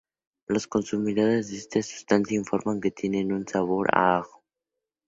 Los consumidores de este sustancia informan que tiene un sabor a ajo.